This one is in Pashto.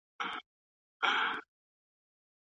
تاریخي پوهه د څېړونکي لیدلوری روښانه کوي.